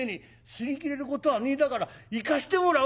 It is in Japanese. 擦り切れることはねえだから行かしてもらうだ」。